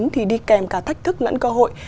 thì đi kèm cả thách thức lẫn cơ hội